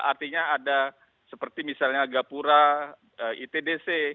artinya ada seperti misalnya gapura itdc